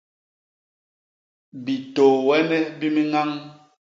Bitôôene bi miñañ.